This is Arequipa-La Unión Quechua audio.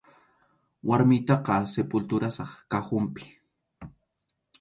Warmiytaqa sepulturasaq cajonpi.